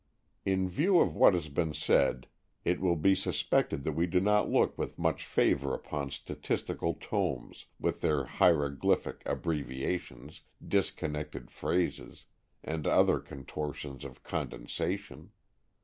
In view of what has been said it will be suspected that we do not look with much favor upon statistical tomes, with their hieroglyphic abbreviations, disconnected phrases, and other contortions of condensation.